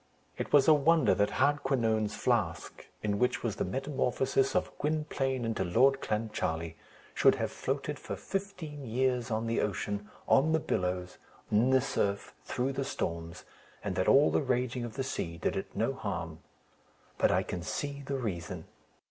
It was a wonder that Hardquanonne's flask, in which was the metamorphosis of Gwynplaine into Lord Clancharlie, should have floated for fifteen years on the ocean, on the billows, in the surf, through the storms, and that all the raging of the sea did it no harm. But I can see the reason.